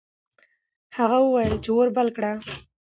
هغه وویل چې اور بل کړه.